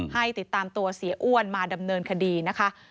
ให้ติดตามตัวเสียอ้วนมาดำเนินคดีนะคะ